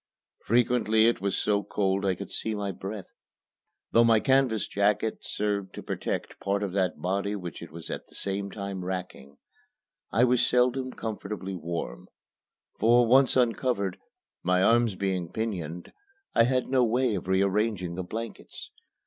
Frequently it was so cold I could see my breath. Though my canvas jacket served to protect part of that body which it was at the same time racking, I was seldom comfortably warm; for, once uncovered, my arms being pinioned, I had no way of rearranging the blankets.